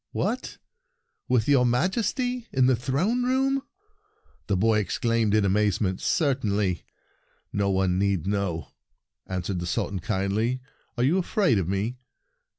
" What ! —with your Majesty, in the throne room?" the boy exclaimed in amazement. "Certainly. No one need know," answered the Sultan kindly. "Are you afraid of me?"